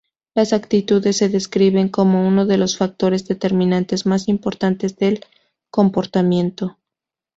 Las actitudes se describen como uno de los factores determinantes más importantes del comportamiento.